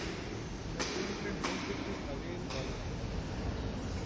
The team played home fixtures away in Coleraine.